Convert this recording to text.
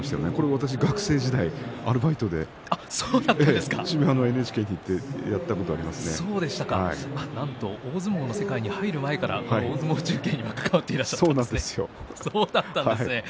私、学生時代アルバイトで渋谷のＮＨＫでやったことが大相撲の世界に入る前から大相撲中継に関わっていらっしゃったんですね。